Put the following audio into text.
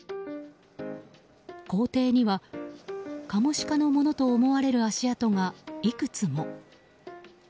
校庭には、カモシカのものと思われる足跡が、いくつも。